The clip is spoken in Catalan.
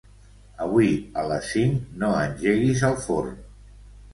Avui a les cinc no engeguis el forn.